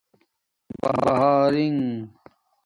بہارنݣ